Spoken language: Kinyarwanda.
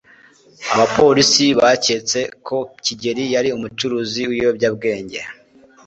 abapolisi baketse ko kigeri yari umucuruzi w'ibiyobyabwenge